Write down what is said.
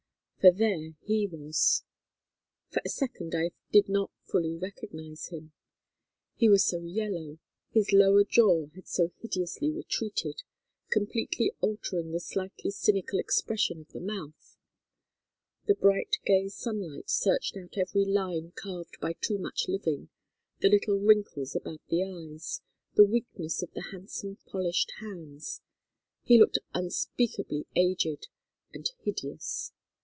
"For there he was. For a second I did not fully recognize him, he was so yellow, his lower jaw had so hideously retreated, completely altering the slightly cynical expression of the mouth. The bright gay sunlight searched out every line carved by too much living, the little wrinkles about the eyes, the weakness of the handsome polished hands. He looked unspeakably aged and hideous.